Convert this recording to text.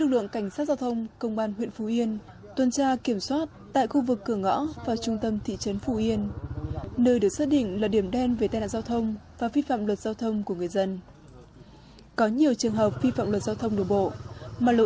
lực lượng cảnh sát giao thông công an huyện phú yên